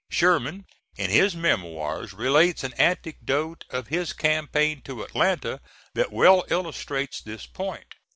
Sherman, in his memoirs, relates an anecdote of his campaign to Atlanta that well illustrates this point.